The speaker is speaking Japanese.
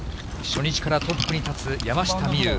初日からトップに立つ山下美夢有。